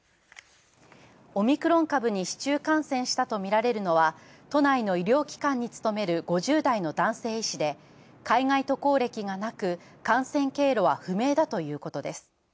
オミクロン株に市中感染したとみられるのは都内の医療機関に勤める５０代の男性医師で、海外渡航歴がなく、感染経路は不明だということです。